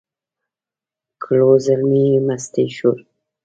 کړو زلمیو مستي شور